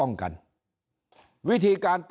ถ้าท่านผู้ชมติดตามข่าวสาร